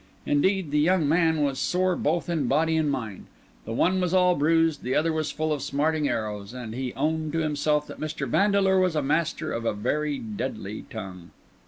Indeed, the young man was sore both in body and mind—the one was all bruised, the other was full of smarting arrows; and he owned to himself that Mr. Vandeleur was master of a very deadly tongue.